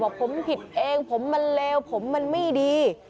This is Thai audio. บอกผมผิดเองผมมันเลวผมมันไม่ดี